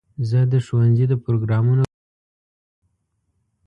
زه د ښوونځي د پروګرامونو ګډون کوم.